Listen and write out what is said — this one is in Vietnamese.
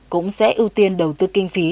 cũng sẽ ưu tiên đầu tư kinh phí